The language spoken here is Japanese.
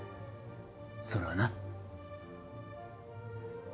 それはな。